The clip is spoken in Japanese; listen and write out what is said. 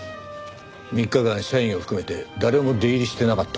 ３日間社員を含めて誰も出入りしてなかったって事か？